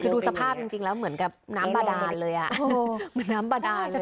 คือดูสภาพจริงแล้วเหมือนกับน้ำบาดานเลยเหมือนน้ำบาดานเลย